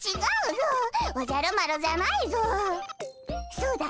そうだ！